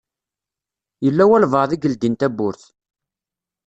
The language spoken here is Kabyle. Yella walebɛaḍ i yeldin tawwurt.